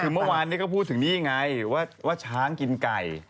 คือเมื่อวานนี้ก็พูดถึงนี่ไงว่าช้างกินไก่